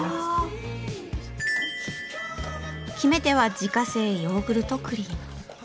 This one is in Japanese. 決め手は自家製ヨーグルトクリーム。